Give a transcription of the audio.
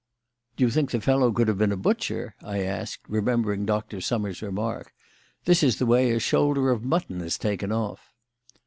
"Do you think the fellow could have been a butcher?" I asked, remembering Dr. Summers' remark. "This is the way a shoulder of mutton is taken off."